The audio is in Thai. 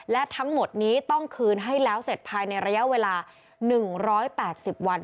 และทั้งหมดนี้ต้องคืนให้แล้วเสร็จภายในระยะเวลา๑๘๐วัน